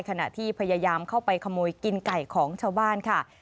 ขณะที่พยายามเข้าไปขโมยกินไก่ของชาวบ้านค่ะ